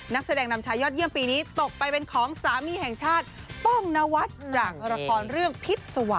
นักแสดงนามชายยอดเยี่ยมปีนี้ตกไปเป็นของสามีแห่งชาติ